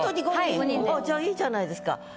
じゃあ良いじゃないですか。